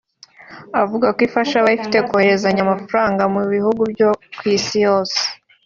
Avuga ko ifasha abayifite kohererezanya amafaranga mu bihugu byo ku Isi hose